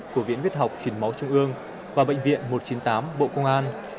của viện viết học hiến máu trung ương và bệnh viện một trăm chín mươi tám bộ công an